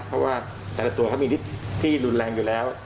เพราะว่าแต่ละตัวมีที่หลุนแรงอยู่แล้ว